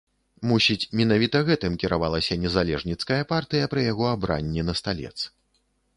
Мусіць, менавіта гэтым кіравалася незалежніцкая партыя пры яго абранні на сталец.